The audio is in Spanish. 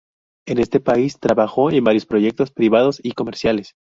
En este país, trabajó en varios proyectos privados y comerciales.